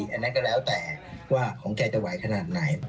อันนั้นก็แล้วแต่ว่าของแกจะไหวขนาดไหน